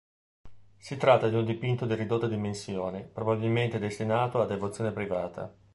Si tratta di un dipinto di ridotte dimensioni probabilmente destinato alla devozione privata.